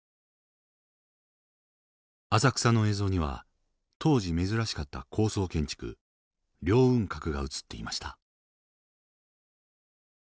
浅草の映像には当時珍しかった高層建築凌雲閣が映っていました。